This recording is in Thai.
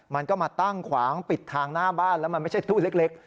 มันก็มาตั้งขวางปิดทางหน้าบ้านแล้วมันไม่ใช่ตู้เล็ก